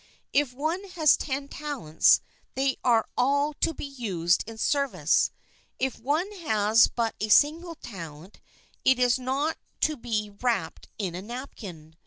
If one has ten talents they are all to be used in service ; if one has but a single talent it is not to be wrapped in a napkin.